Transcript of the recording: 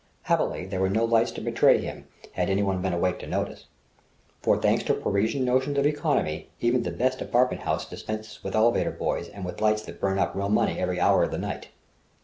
Happily, there were no lights to betray him had anyone been awake to notice. For thanks to Parisian notions of economy even the best apartment houses dispense with elevator boys and with lights that burn up real money every hour of the night.